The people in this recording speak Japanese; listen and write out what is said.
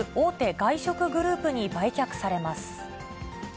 外食グループに売却されます。